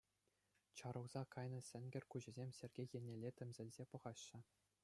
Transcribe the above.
Чарӑлса кайнӑ сенкер куҫӗсем Сергей еннелле тӗмсӗлсе пӑхаҫҫӗ.